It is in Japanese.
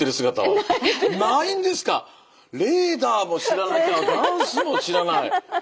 レーダーも知らなきゃダンスも知らない。